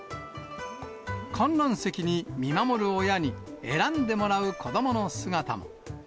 観覧席に見守る親に選んでもらう子どもの姿。